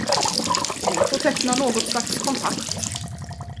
Vi får teckna något slags kontrakt.